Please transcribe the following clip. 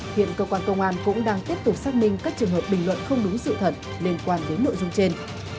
hiện cơ quan công an cũng đang tiếp tục xác minh các trường hợp bình luận không đúng sự thật liên quan đến nội dung trên